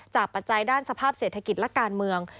ปัจจัยด้านสภาพเศรษฐกิจและการเมือง